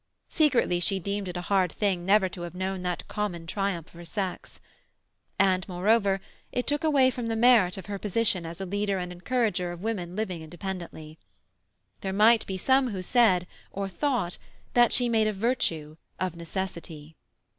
Secretly she deemed it a hard thing never to have known that common triumph of her sex. And, moreover, it took away from the merit of her position as a leader and encourager of women living independently. There might be some who said, or thought, that she made a virtue of necessity.